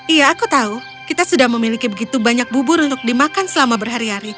iya aku tahu kita sudah memiliki begitu banyak bubur untuk dimakan selama berhari hari